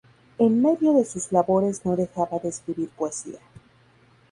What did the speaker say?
En medio de sus labores no dejaba de escribir poesía.